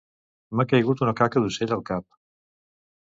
M'ha caigut una caca d'ocell al cap